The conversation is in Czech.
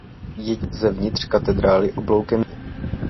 Jediný vchod je zevnitř katedrály obloukem s mříží.